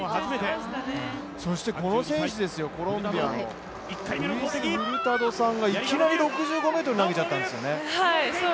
そしてこの選手ですよ、ルイスフルタドさんがいきなり６５ｍ投げちゃったんですよね。